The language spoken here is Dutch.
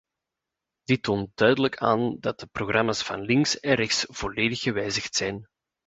Dit toont duidelijk aan dat de programma's van links en rechts volledig gewijzigd zijn.